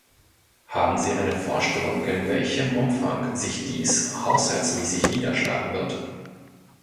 Haben Sie eine Vorstellung, in welchem Umfang sich dies haushaltsmäßig niederschlagen wird?